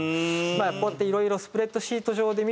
こうやっていろいろスプレッドシート上で見てると。